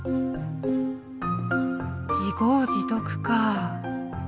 自業自得かぁ。